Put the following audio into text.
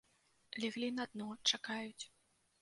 Леглі на дно, чакаюць.